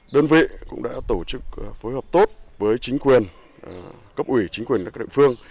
đơn vị cũng đã tổ chức phối hợp tốt với chính quyền cấp ủy chính quyền các địa phương